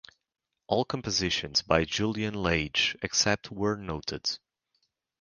All compositions by Julian Lage except where noted